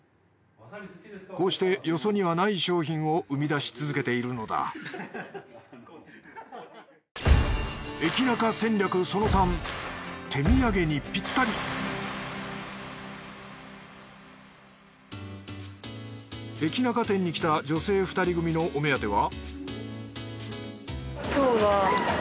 こうしてよそにはない商品を生み出し続けているのだ駅ナカ店に来た女性２人組のお目当ては？